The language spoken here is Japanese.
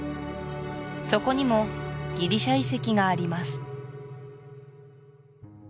そこにもギリシア遺跡があります